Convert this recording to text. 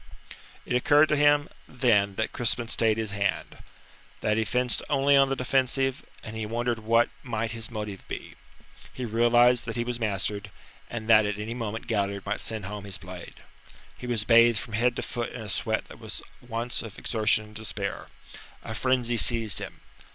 It occurred to him then that Crispin stayed his hand. That he fenced only on the defensive, and he wondered what might his motive be. He realized that he was mastered, and that at any moment Galliard might send home his blade. He was bathed from head to foot in a sweat that was at once of exertion and despair. A frenzy seized him.